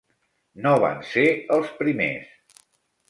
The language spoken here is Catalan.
No van ser els primers.